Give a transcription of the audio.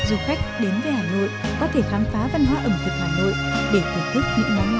người hà nội thân thiện và yêu khách du khách đến với hà nội có thể khám phá văn hóa ẩm thực hà nội để thưởng thức những món ngon hấp dẫn thị vị